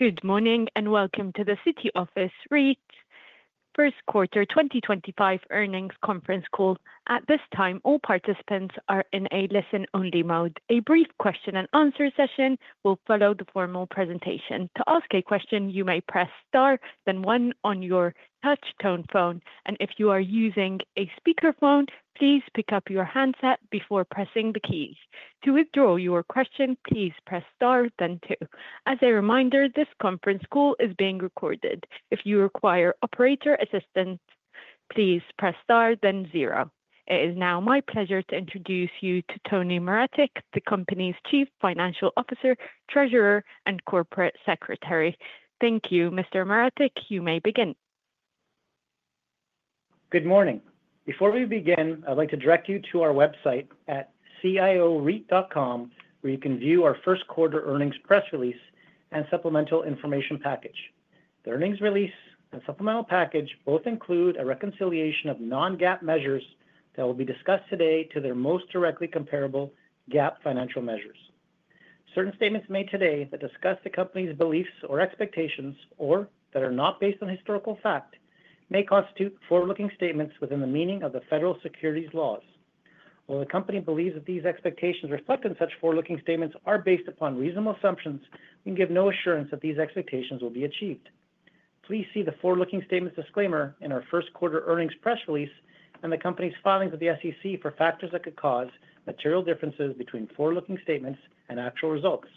Good morning and welcome to the City Office REIT First Quarter 2025 earnings conference call. At this time, all participants are in a listen-only mode. A brief question-and-answer session will follow the formal presentation. To ask a question, you may press star, then one on your touch-tone phone. If you are using a speakerphone, please pick up your handset before pressing the keys. To withdraw your question, please press star, then two. As a reminder, this conference call is being recorded. If you require operator assistance, please press star, then zero. It is now my pleasure to introduce you to Tony Maretic, the company's Chief Financial Officer, Treasurer, and Corporate Secretary. Thank you, Mr. Maretic. You may begin. Good morning. Before we begin, I'd like to direct you to our website at cioreit.com, where you can view our first quarter earnings press release and supplemental information package. The earnings release and supplemental package both include a reconciliation of non-GAAP measures that will be discussed today to their most directly comparable GAAP financial measures. Certain statements made today that discuss the company's beliefs or expectations, or that are not based on historical fact, may constitute forward-looking statements within the meaning of the federal securities laws. While the company believes that these expectations reflected in such forward-looking statements are based upon reasonable assumptions, we can give no assurance that these expectations will be achieved. Please see the forward-looking statements disclaimer in our first quarter earnings press release and the company's filings with the SEC for factors that could cause material differences between forward-looking statements and actual results.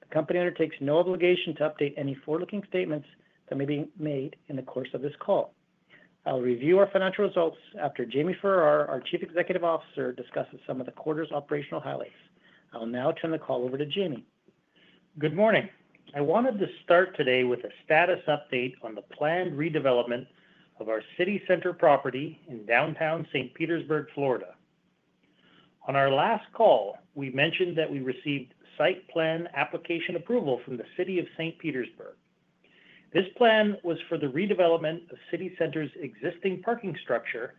The company undertakes no obligation to update any forward-looking statements that may be made in the course of this call. I'll review our financial results after Jamie Farrar, our Chief Executive Officer, discusses some of the quarter's operational highlights. I'll now turn the call over to Jamie. Good morning. I wanted to start today with a status update on the planned redevelopment of our City Center property in downtown St. Petersburg, Florida. On our last call, we mentioned that we received site plan application approval from the city of St. Petersburg. This plan was for the redevelopment of City Center's existing parking structure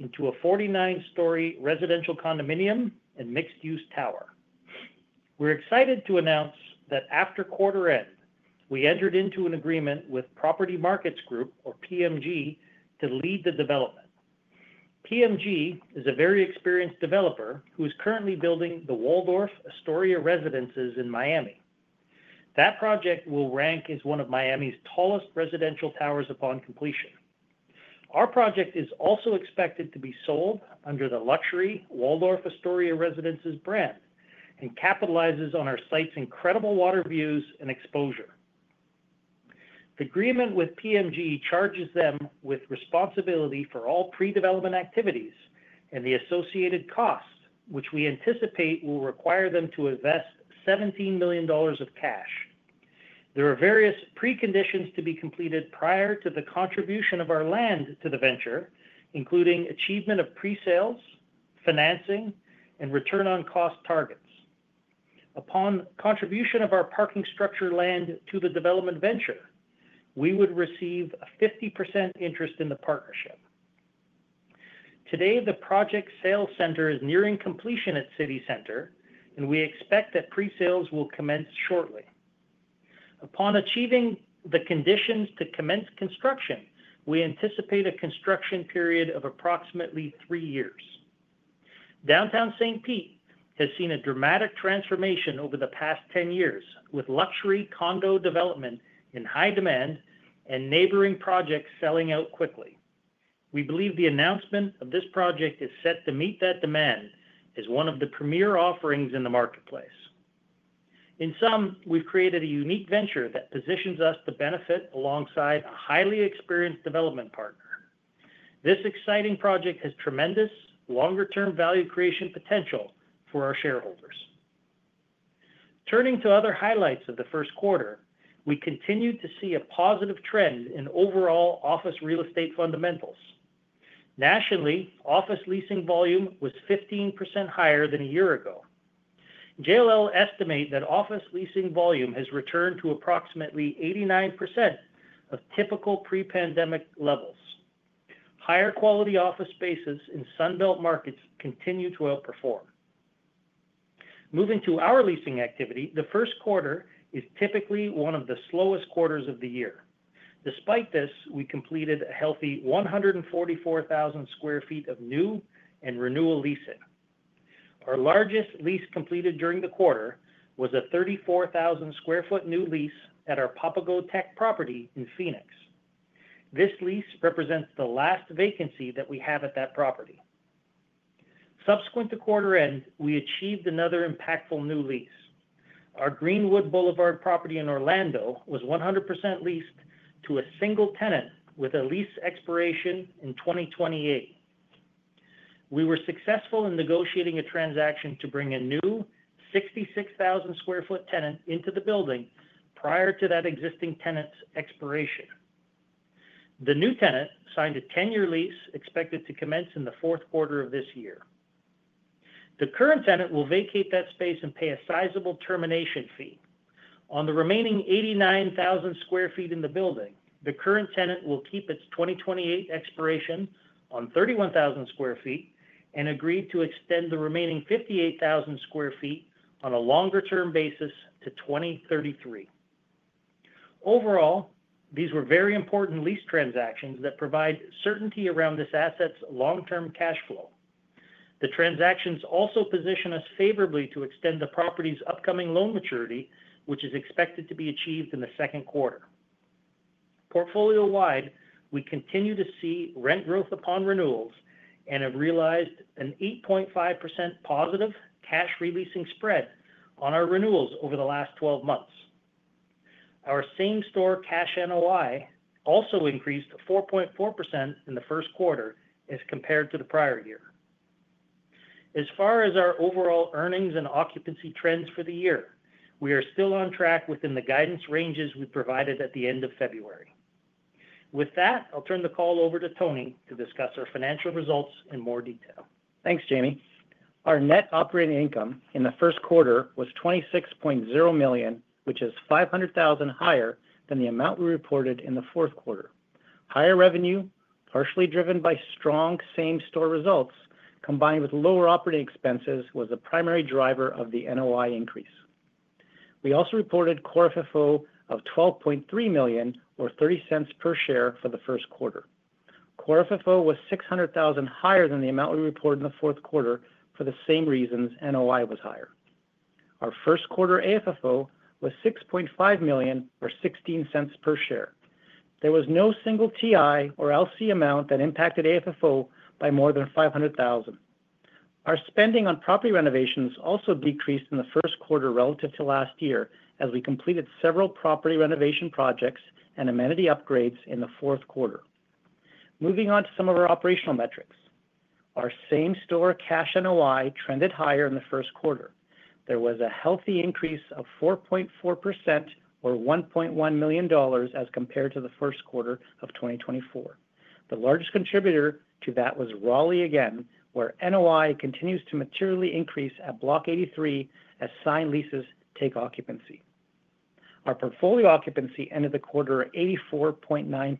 into a 49-story residential condominium and mixed-use tower. We're excited to announce that after quarter end, we entered into an agreement with Property Markets Group, or PMG, to lead the development. PMG is a very experienced developer who is currently building the Waldorf Astoria Residences in Miami. That project will rank as one of Miami's tallest residential towers upon completion. Our project is also expected to be sold under the luxury Waldorf Astoria Residences brand and capitalizes on our site's incredible water views and exposure. The agreement with PMG charges them with responsibility for all pre-development activities and the associated costs, which we anticipate will require them to invest $17 million of cash. There are various preconditions to be completed prior to the contribution of our land to the venture, including achievement of pre-sales, financing, and return on cost targets. Upon contribution of our parking structure land to the development venture, we would receive a 50% interest in the partnership. Today, the project sales center is nearing completion at City Center, and we expect that pre-sales will commence shortly. Upon achieving the conditions to commence construction, we anticipate a construction period of approximately 3 years. Downtown St. Pete has seen a dramatic transformation over the past 10 years, with luxury condo development in high demand and neighboring projects selling out quickly. We believe the announcement of this project is set to meet that demand as one of the premier offerings in the marketplace. In sum, we've created a unique venture that positions us to benefit alongside a highly experienced development partner. This exciting project has tremendous longer-term value creation potential for our shareholders. Turning to other highlights of the first quarter, we continue to see a positive trend in overall office real estate fundamentals. Nationally, office leasing volume was 15% higher than a year ago. JLL estimates that office leasing volume has returned to approximately 89% of typical pre-pandemic levels. Higher quality office spaces in Sunbelt markets continue to outperform. Moving to our leasing activity, the first quarter is typically one of the slowest quarters of the year. Despite this, we completed a healthy 144,000 sq ft of new and renewal leasing. Our largest lease completed during the quarter was a 34,000 sq ft new lease at our Papago Tech property in Phoenix. This lease represents the last vacancy that we have at that property. Subsequent to quarter end, we achieved another impactful new lease. Our Greenwood Boulevard property in Orlando was 100% leased to a single tenant with a lease expiration in 2028. We were successful in negotiating a transaction to bring a new 66,000 sq ft tenant into the building prior to that existing tenant's expiration. The new tenant signed a 10-year lease expected to commence in the fourth quarter of this year. The current tenant will vacate that space and pay a sizable termination fee. On the remaining 89,000 sq ft in the building, the current tenant will keep its 2028 expiration on 31,000 sq ft and agreed to extend the remaining 58,000 sq ft on a longer-term basis to 2033. Overall, these were very important lease transactions that provide certainty around this asset's long-term cash flow. The transactions also position us favorably to extend the property's upcoming loan maturity, which is expected to be achieved in the second quarter. Portfolio-wide, we continue to see rent growth upon renewals and have realized an 8.5% positive cash releasing spread on our renewals over the last 12 months. Our same store cash NOI also increased 4.4% in the first quarter as compared to the prior year. As far as our overall earnings and occupancy trends for the year, we are still on track within the guidance ranges we provided at the end of February. With that, I'll turn the call over to Tony to discuss our financial results in more detail. Thanks, Jamie. Our net operating income in the first quarter was $26.0 million, which is $500,000 higher than the amount we reported in the fourth quarter. Higher revenue, partially driven by strong same store results combined with lower operating expenses, was the primary driver of the NOI increase. We also reported core FFO of $12.3 million, or $0.30 per share for the first quarter. Core FFO was $600,000 higher than the amount we reported in the fourth quarter for the same reasons NOI was higher. Our first quarter AFFO was $6.5 million, or $0.16 per share. There was no single TI or LC amount that impacted AFFO by more than $500,000. Our spending on property renovations also decreased in the first quarter relative to last year as we completed several property renovation projects and amenity upgrades in the fourth quarter. Moving on to some of our operational metrics. Our same store cash NOI trended higher in the first quarter. There was a healthy increase of 4.4%, or $1.1 million as compared to the first quarter of 2024. The largest contributor to that was Raleigh again, where NOI continues to materially increase at Block 83 as signed leases take occupancy. Our portfolio occupancy ended the quarter at 84.9%.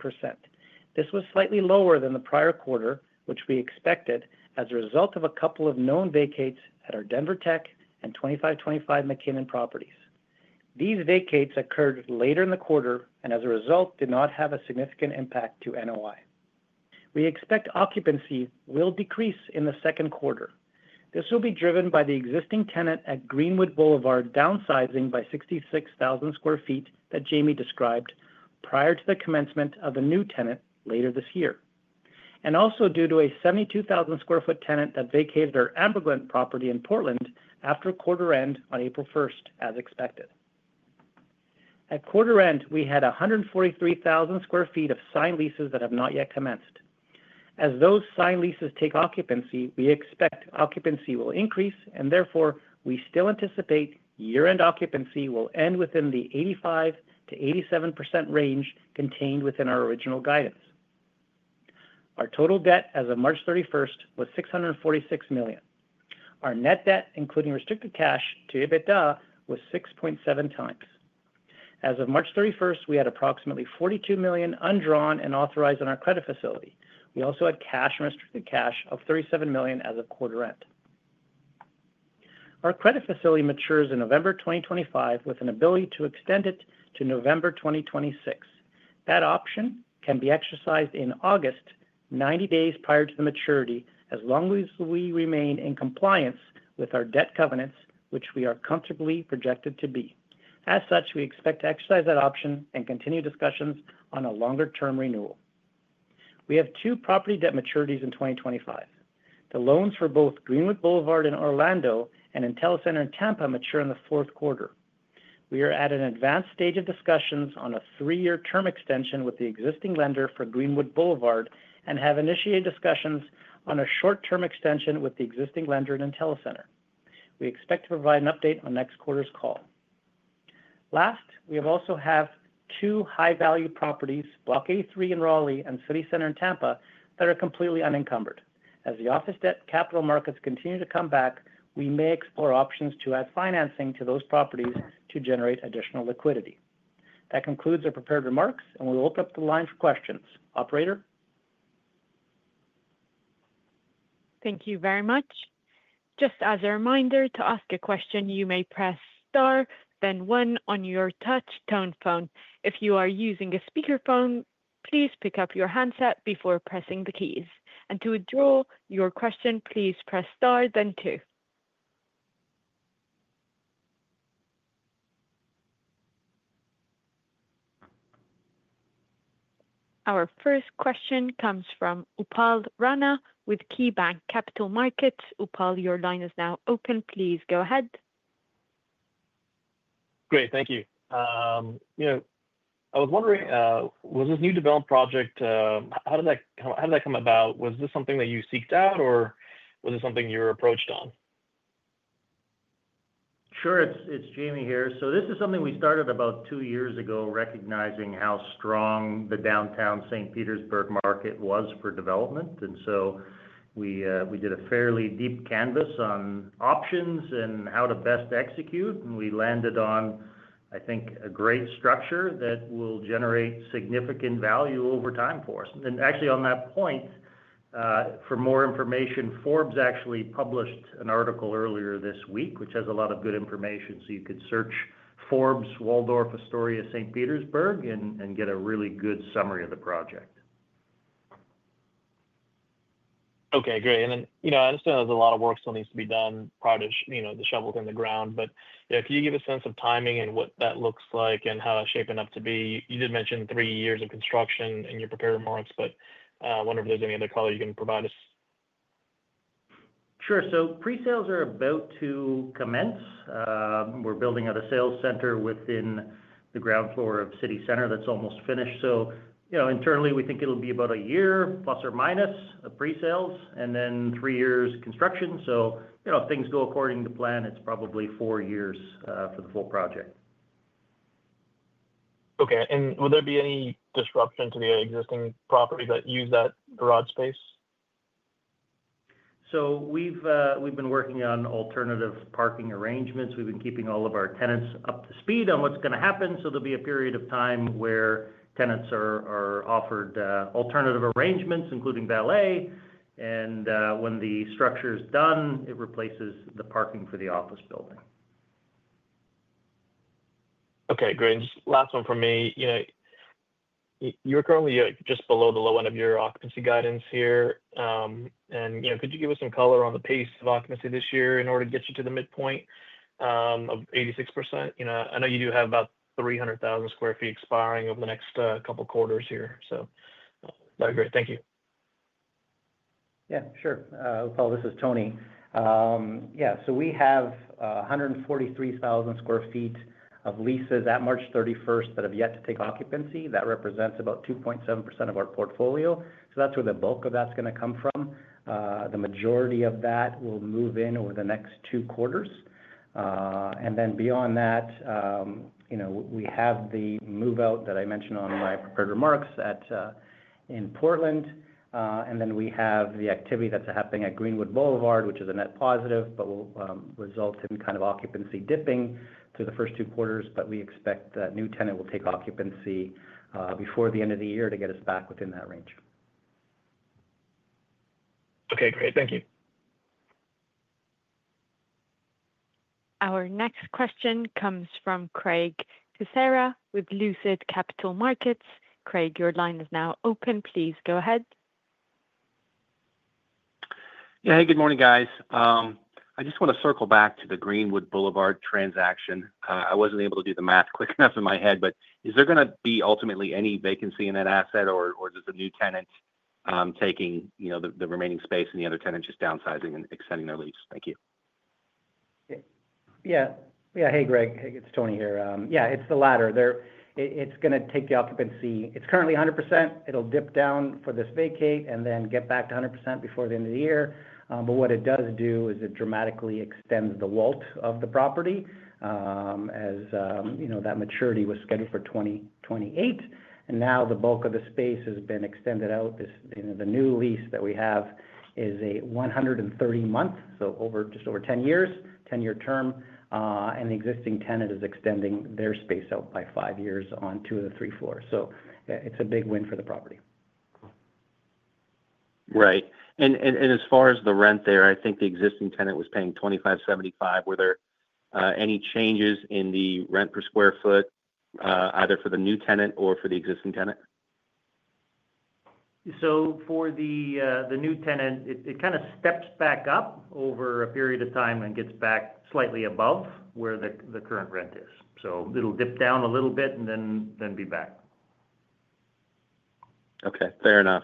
This was slightly lower than the prior quarter, which we expected as a result of a couple of known vacates at our Denver Tech and 2525 McKinnon properties. These vacates occurred later in the quarter and as a result did not have a significant impact to NOI. We expect occupancy will decrease in the second quarter. This will be driven by the existing tenant at Greenwood Boulevard downsizing by 66,000 sq ft that Jamie described prior to the commencement of a new tenant later this year. Also due to a 72,000 sq ft tenant that vacated our AmberGlen property in Portland after quarter end on April 1, as expected. At quarter end, we had 143,000 sq ft of signed leases that have not yet commenced. As those signed leases take occupancy, we expect occupancy will increase, and therefore we still anticipate year-end occupancy will end within the 85%-87% range contained within our original guidance. Our total debt as of March 31 was $646 million. Our net debt, including restricted cash to EBITDA, was 6.7x. As of March 31, we had approximately $42 million undrawn and authorized on our credit facility. We also had cash and restricted cash of $37 million as of quarter end. Our credit facility matures in November 2025 with an ability to extend it to November 2026. That option can be exercised in August, 90 days prior to the maturity, as long as we remain in compliance with our debt covenants, which we are comfortably projected to be. As such, we expect to exercise that option and continue discussions on a longer-term renewal. We have two property debt maturities in 2025. The loans for both Greenwood Boulevard in Orlando and Intellicenter in Tampa mature in the fourth quarter. We are at an advanced stage of discussions on a three-year term extension with the existing lender for Greenwood Boulevard and have initiated discussions on a short-term extension with the existing lender in Intellicenter. We expect to provide an update on next quarter's call. Last, we also have two high-value properties, Block 83 in Raleigh and City Center in Tampa, that are completely unencumbered. As the office debt capital markets continue to come back, we may explore options to add financing to those properties to generate additional liquidity. That concludes our prepared remarks, and we'll open up the line for questions. Operator. Thank you very much. Just as a reminder to ask a question, you may press star, then one on your touch tone phone. If you are using a speakerphone, please pick up your handset before pressing the keys. To withdraw your question, please press star, then two. Our first question comes from Upal Rana with KeyBanc Capital Markets. Upal, your line is now open. Please go ahead. Great. Thank you. I was wondering, was this new development project, how did that come about? Was this something that you seeked out, or was it something you were approached on? Sure. It's Jamie here. This is something we started about 2 years ago, recognizing how strong the downtown St. Petersburg market was for development. We did a fairly deep canvas on options and how to best execute. We landed on, I think, a great structure that will generate significant value over time for us. Actually, on that point, for more information, Forbes published an article earlier this week, which has a lot of good information. You could search Forbes, Waldorf Astoria St. Petersburg, and get a really good summary of the project. Okay. Great. I understand there's a lot of work still needs to be done prior to the shovel hitting the ground. Can you give a sense of timing and what that looks like and how that's shaping up to be? You did mention three years of construction in your prepared remarks, but I wonder if there's any other color you can provide us. Sure. Pre-sales are about to commence. We're building out a sales center within the ground floor of City Center that's almost finished. Internally, we think it'll be about a year plus or minus of pre-sales and then 3 years construction. If things go according to plan, it's probably 4 years for the full project. Okay. Will there be any disruption to the existing property that use that garage space? We have been working on alternative parking arrangements. We have been keeping all of our tenants up to speed on what is going to happen. There will be a period of time where tenants are offered alternative arrangements, including valet. When the structure is done, it replaces the parking for the office building. Okay. Great. Last one from me. You're currently just below the low end of your occupancy guidance here. Could you give us some color on the pace of occupancy this year in order to get you to the midpoint of 86%? I know you do have about 300,000 sq ft expiring over the next couple of quarters here. That'd be great. Thank you. Yeah. Sure. Upal, this is Tony. Yeah. We have 143,000 sq ft of leases at March 31st that have yet to take occupancy. That represents about 2.7% of our portfolio. That is where the bulk of that is going to come from. The majority of that will move in over the next two quarters. Beyond that, we have the move-out that I mentioned on my prepared remarks in Portland. We have the activity that is happening at Greenwood Boulevard, which is a net positive, but will result in kind of occupancy dipping through the first two quarters. We expect that new tenant will take occupancy before the end of the year to get us back within that range. Okay. Great. Thank you. Our next question comes from Craig Kucera with Lucid Capital Markets. Craig, your line is now open. Please go ahead. Yeah. Hey, good morning, guys. I just want to circle back to the Greenwood Boulevard transaction. I wasn't able to do the math quick enough in my head, but is there going to be ultimately any vacancy in that asset, or is this a new tenant taking the remaining space and the other tenant just downsizing and extending their lease? Thank you. Yeah. Yeah. Hey, Craig. It's Tony here. Yeah. It's the latter. It's going to take the occupancy. It's currently 100%. It'll dip down for this vacate and then get back to 100% before the end of the year. What it does do is it dramatically extends the WALT of the property as that maturity was scheduled for 2028. Now the bulk of the space has been extended out. The new lease that we have is a 130-month, so just over 10 years, 10-year term. The existing tenant is extending their space out by 5 years on two of the three floors. It's a big win for the property. Right. As far as the rent there, I think the existing tenant was paying $2,575. Were there any changes in the rent per square foot either for the new tenant or for the existing tenant? For the new tenant, it kind of steps back up over a period of time and gets back slightly above where the current rent is. It will dip down a little bit and then be back. Okay. Fair enough.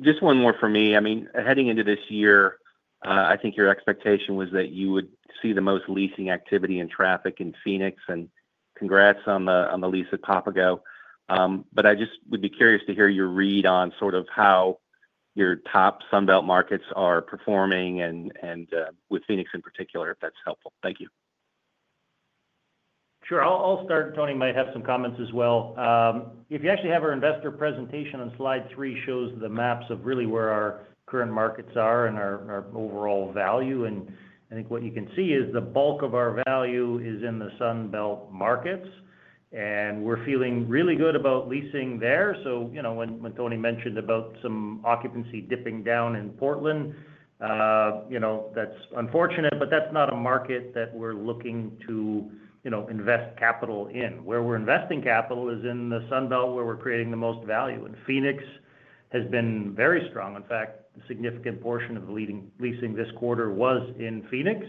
Just one more for me. I mean, heading into this year, I think your expectation was that you would see the most leasing activity and traffic in Phoenix. And congrats on the lease at Papago. I just would be curious to hear your read on sort of how your top Sunbelt markets are performing and with Phoenix in particular, if that's helpful. Thank you. Sure. I'll start. Tony might have some comments as well. If you actually have our investor presentation on slide three, it shows the maps of really where our current markets are and our overall value. I think what you can see is the bulk of our value is in the Sunbelt markets. We're feeling really good about leasing there. When Tony mentioned about some occupancy dipping down in Portland, that's unfortunate, but that's not a market that we're looking to invest capital in. Where we're investing capital is in the Sunbelt where we're creating the most value. Phoenix has been very strong. In fact, a significant portion of the leasing this quarter was in Phoenix.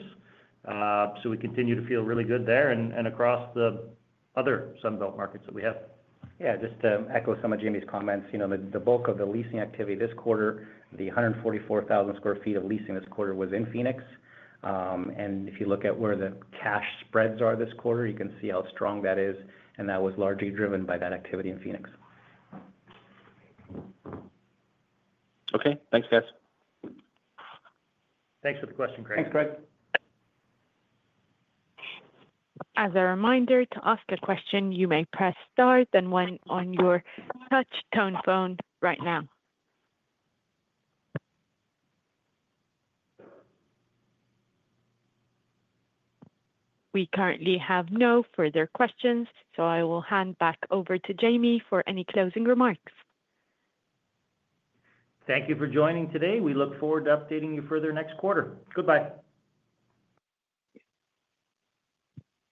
We continue to feel really good there and across the other Sunbelt markets that we have. Yeah. Just to echo some of Jamie's comments, the bulk of the leasing activity this quarter, the 144,000 sq ft of leasing this quarter was in Phoenix. If you look at where the cash spreads are this quarter, you can see how strong that is. That was largely driven by that activity in Phoenix. Okay. Thanks, guys. Thanks for the question, Craig. Thanks, Craig. As a reminder to ask a question, you may press star, then one on your touch tone phone right now. We currently have no further questions, so I will hand back over to Jamie for any closing remarks. Thank you for joining today. We look forward to updating you further next quarter. Goodbye.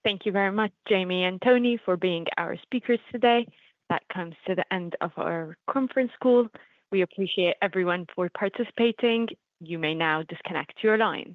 Thank you very much, Jamie and Tony, for being our speakers today. That comes to the end of our conference call. We appreciate everyone for participating. You may now disconnect your lines.